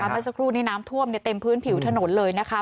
เพราะสักครู่นี่น้ำท่วมเนี่ยเต็มพื้นผิวถนนเลยนะค่ะ